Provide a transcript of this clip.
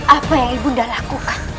apa yang ibunda lakukan